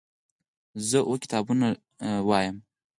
زه اووه کتابونه لولم.